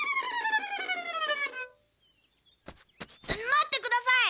待ってください！